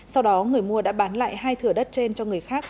sau đó người mua đã bán lại hai thửa đất trên cho người khác